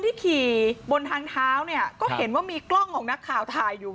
ที่ขี่บนทางเท้าเนี่ยก็เห็นว่ามีกล้องของนักข่าวถ่ายอยู่